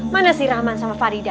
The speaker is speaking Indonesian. mana sih rahman sama farida